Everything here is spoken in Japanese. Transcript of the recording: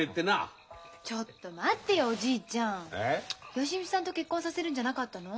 芳美さんと結婚させるんじゃなかったの？